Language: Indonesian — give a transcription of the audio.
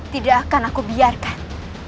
tidak akan aku biarkan